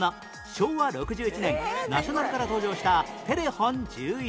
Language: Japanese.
昭和６１年ナショナルから登場したてれ・ほん１１